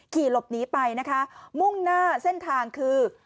ขี่หลบหนีไปนะคะมุ่งหน้าเส้นทางคือ